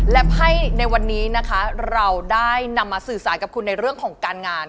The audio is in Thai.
และไพ่ในวันนี้นะคะเราได้นำมาสื่อสารกับคุณในเรื่องของการงาน